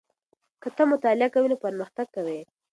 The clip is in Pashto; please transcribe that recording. که ته مطالعه کوې نو پرمختګ کوې.